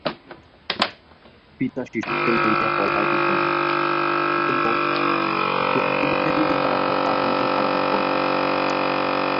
পিতা শিশুকে লইয়া পলায়ন করেন এবং গোপগোপীদের নিকট তাঁহার পালনের ভার অর্পণ করেন।